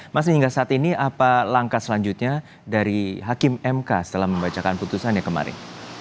masih hingga saat ini apa langkah selanjutnya dari hakim mk setelah membacakan putusannya kemarin